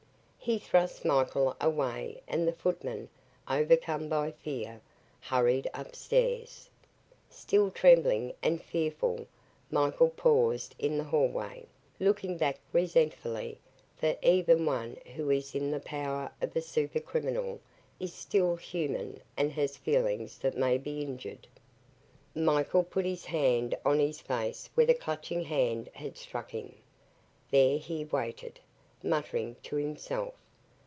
He thrust Michael away and the footman, overcome by fear, hurried upstairs. Still trembling and fearful, Michael paused In the hallway, looking back resentfully, for even one who is in the power of a super criminal is still human and has feelings that may be injured. Michael put his hand on his face where the Clutching Hand had struck him. There he waited, muttering to himself.